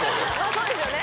そうですよね